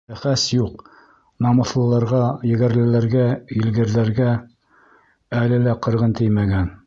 Бәхәс юҡ, намыҫлыларға, егәрлеләргә, елгерҙәргә әле лә ҡырғын теймәгән.